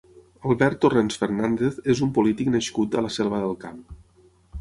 Albert Torrents Fernández és un polític nascut a la Selva del Camp.